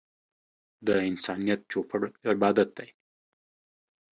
د انسانيت چوپړ عبادت دی.